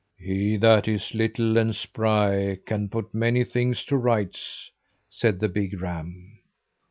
"He that is little and spry can put many things to rights," said the big ram.